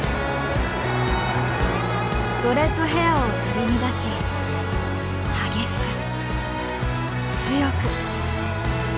ドレッドヘアを振り乱し激しく強く。